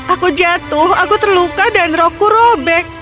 aku jatuh aku terluka dan roku robek